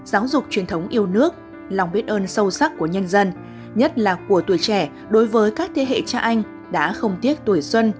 giáo dục truyền thống yêu nước lòng biết ơn sâu sắc của nhân dân nhất là của tuổi trẻ đối với các thế hệ cha anh đã không tiếc tuổi xuân